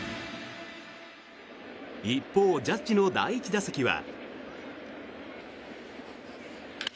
一方、ジャッジの第１打席は。